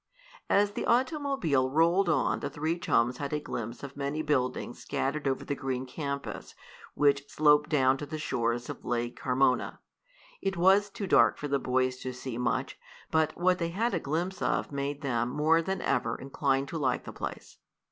As the automobile rolled on the three chums had a glimpse of many buildings scattered over the green campus, which sloped down to the shores of Lake Carmona. It was too dark for the boys to see much, but what they had a glimpse of made them, more than ever, inclined to like the place.